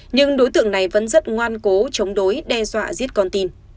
nhưng đối tượng này vẫn rất ngoan cố chống đối đe dọa giết con tin